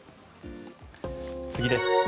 次です。